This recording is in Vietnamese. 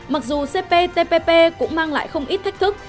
mặc dù cptpp cũng mang lại không ít thách thức